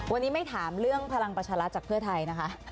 วันนี้ไม่ถามเรื่องพลังประชารัฐจากเพื่อไทยนะคะ